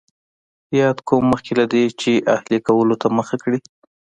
یاد قوم مخکې له دې چې اهلي کولو ته مخه کړي.